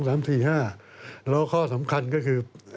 แล้วข้อสำคัญก็คือ